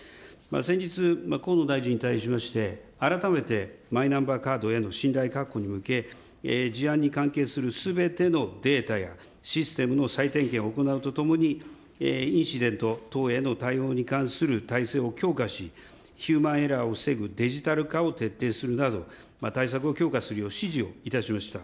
先日、河野大臣に対しまして、改めてマイナンバーカードへの信頼確保に向け、事案に関係するすべてのデータやシステムの再点検を行うとともに、インシデント等への対応への体制を強化し、ヒューマンエラーを防ぐデジタル化を徹底するなど、対策を強化するよう指示をいたしました。